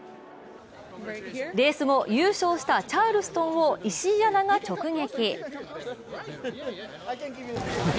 レース後、優勝したチャールストンを石井アナが直撃。